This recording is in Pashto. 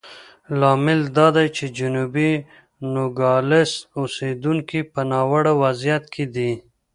لامل دا دی چې جنوبي نوګالس اوسېدونکي په ناوړه وضعیت کې دي.